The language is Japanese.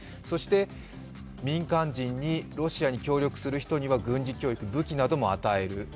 そして民間人にロシアに協力する人には軍事教育、武器なども与える。